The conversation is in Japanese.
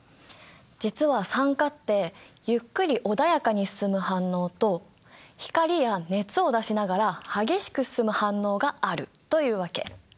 実は酸化ってゆっくりおだやかに進む反応と光や熱を出しながら激しく進む反応があるというわけ。